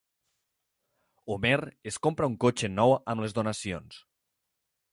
Homer es compra un cotxe nou amb les donacions.